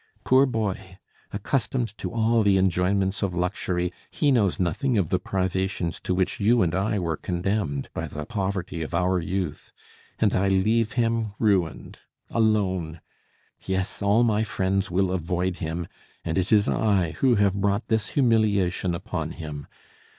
Poor boy! accustomed to all the enjoyments of luxury, he knows nothing of the privations to which you and I were condemned by the poverty of our youth. And I leave him ruined! alone! Yes, all my friends will avoid him, and it is I who have brought this humiliation upon him!